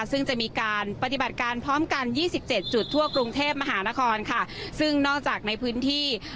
ซึ่งจะมีการปฏิบัติการพร้อมกันยี่สิบเจ็ดจุดทั่วกรุงเทพมหานครค่ะซึ่งนอกจากในพื้นที่